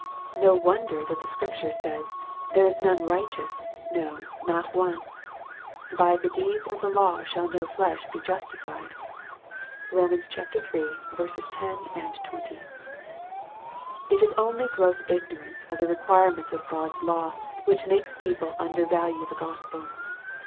No wonder that the Scripture says, " there is none righteous, no ! not one." " By the deeds of the law shall no flesh be justified." (Eom. iii. 10, 20.) It is only gross ignorance of the requirements of God's law which makes people undervalue the Gospel.